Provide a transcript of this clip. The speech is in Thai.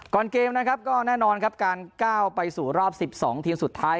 เกมนะครับก็แน่นอนครับการก้าวไปสู่รอบ๑๒ทีมสุดท้าย